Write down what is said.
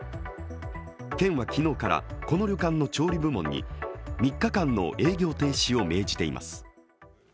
県は昨日からこの旅館の調理部門に３日間の営業停止を命じています。